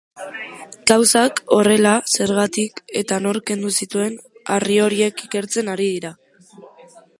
Gauzak horrela, zergatik eta nork kendu zituen harri horiek ikertzen ari dira.